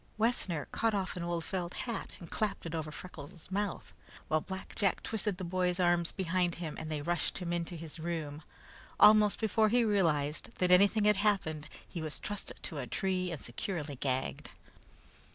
Wessner caught off an old felt hat and clapped it over Freckles' mouth, while Black Jack twisted the boy's arms behind him and they rushed him into his room. Almost before he realized that anything had happened, he was trussed to a tree and securely gagged.